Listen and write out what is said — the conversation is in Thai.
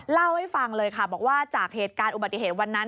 เล่าให้ฟังเลยค่ะบอกว่าจากเหตุการณ์อุบัติเหตุวันนั้น